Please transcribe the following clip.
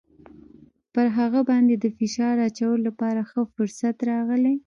پر هغه باندې د فشار اچولو لپاره ښه فرصت راغلی.